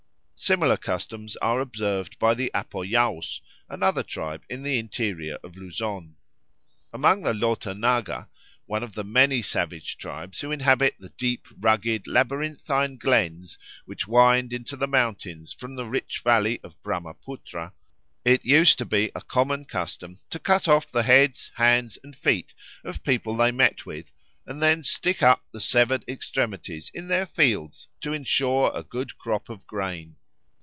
Similar customs are observed by the Apoyaos, another tribe in the interior of Luzon. Among the Lhota Naga, one of the many savage tribes who inhabit the deep rugged labyrinthine glens which wind into the mountains from the rich valley of Brahmapootra, it used to be a common custom to chop off the heads, hands, and feet of people they met with, and then to stick up the severed extremities in their fields to ensure a good crop of grain.